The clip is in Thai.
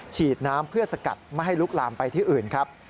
ฉีดน้ำเพื่อสกัดไม่ให้ลุกลามไปที่อื่นครับ